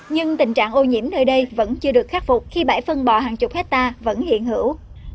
nhưng tình trạng ô nhiễm nơi đây vẫn chưa được khắc phục khi bãi phân bò hàng chục hectare vẫn hiện hữu